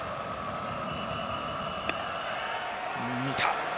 見た。